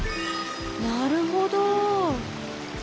なるほど。